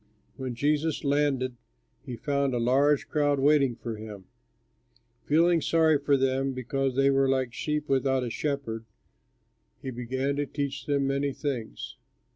When Jesus landed he found a large crowd waiting for him. Feeling sorry for them because they were like sheep without a shepherd, he began to teach them many things.